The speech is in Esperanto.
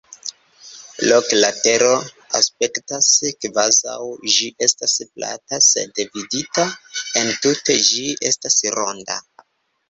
Loke la Tero aspektas kvazaŭ ĝi estas plata, sed vidita entute ĝi estas ronda.